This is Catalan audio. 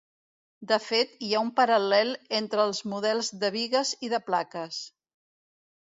De fet hi ha un paral·lel entre els models de bigues i de plaques.